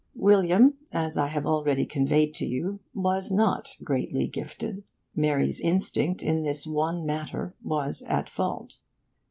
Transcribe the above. William, as I have already conveyed to you, was not greatly gifted. Mary's instinct, in this one matter, was at fault.